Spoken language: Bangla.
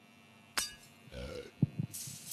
হোটেলের লবিতে গার্ড আছে।